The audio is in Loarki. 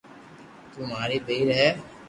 تو ماري ٻير ھي